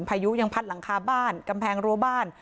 พายุยังพัดหลังคาบ้านกำแพงรั้วบ้าน